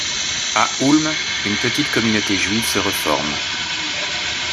À Ulm, une petite communauté juive se reforme.